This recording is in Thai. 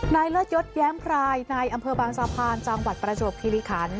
เลิศยศแย้มพรายในอำเภอบางสะพานจังหวัดประจวบคิริขัน